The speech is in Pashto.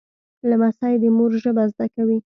لمسی د مور ژبه زده کوي.